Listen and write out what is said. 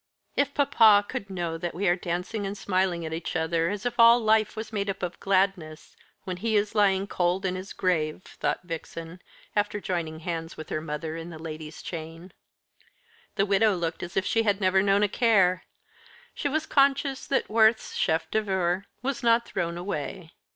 "If papa could know that we are dancing and smiling at each other, as if all life was made up of gladness, when he is lying in his cold grave!" thought Vixen, after joining hands with her mother in the ladies' chain. The widow looked as if she had never known a care. She was conscious that Worth's chef d'oeuvre was not thrown away.